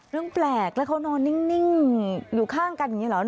เรื่องแปลกแล้วเขานอนนิ่งอยู่ข้างกันอย่างนี้เหรอ